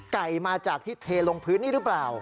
ไก่มาจากที่เทลงพื้นนี่หรือเปล่า